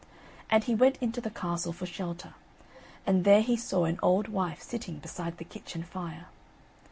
And he went into the castle for shelter, and there he saw an old wife sitting beside the kitchen fire.